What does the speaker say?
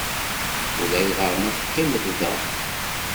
Ulayɣer ma teqqimeḍ da.